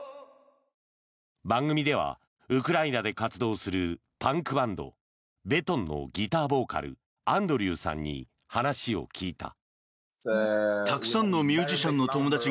番組では、ウクライナで活動するパンクバンドＢｅｔｏｎのギターボーカルアンドリューさんに話を聞いた。